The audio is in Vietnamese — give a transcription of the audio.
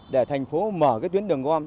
để thành phố mở cái tuyến đường gom